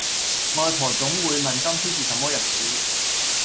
外婆總會問今天是什麼日子？